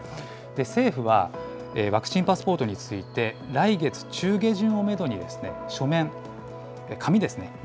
政府は、ワクチンパスポートについて、来月中下旬をメドに、書面、紙ですね。